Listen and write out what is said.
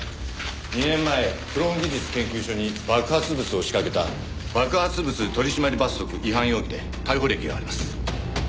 ２年前クローン技術研究所に爆発物を仕掛けた爆発物取締罰則違反容疑で逮捕歴があります。